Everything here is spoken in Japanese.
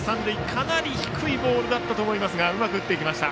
かなり低いボールだったと思いますが、うまく打ちました。